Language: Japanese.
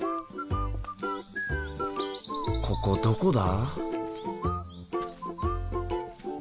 ここどこだ？